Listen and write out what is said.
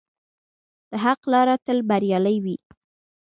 د حق لاره تل بریالۍ وي.